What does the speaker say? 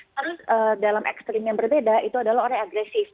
terus dalam ekstrim yang berbeda itu adalah orang agresif